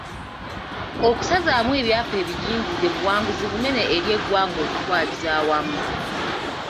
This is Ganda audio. Okusazaamu ebyapa ebijingirire buwanguzi bunene eri eggwanga okutwaliza awamu.